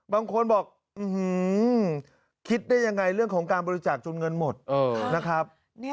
บางคนบอกคิดได้ยังไงเรื่องของการบริจาคจนเงินหมดนะครับ